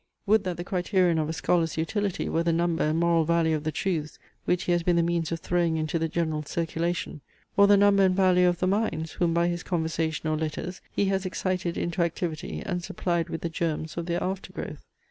Would that the criterion of a scholar's utility were the number and moral value of the truths, which he has been the means of throwing into the general circulation; or the number and value of the minds, whom by his conversation or letters, he has excited into activity, and supplied with the germs of their after growth!